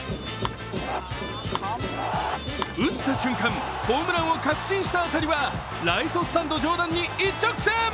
打った瞬間、ホームランを確信した当たりはライトスタンド上段に一直線。